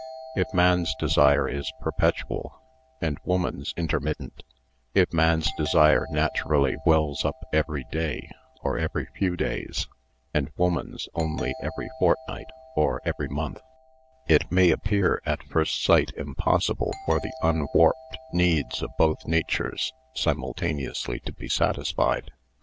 If man's desire is perpetual and woman's inter mittent; if man's desire naturally wells up every day or every few days, and woman's only every fortnight or every month, it may appear at first sight impos sible for the un warped needs of both natures simul taneously to be satisfied.